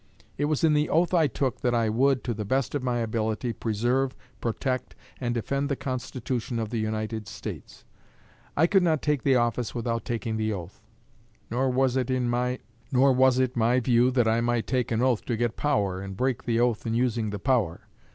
It was in the oath I took that I would, to the best of my ability, preserve, protect, and defend the Constitution of the United States. I could not take the office without taking the oath. Nor was it my view that I might take an oath to get power, and break the oath in using the power.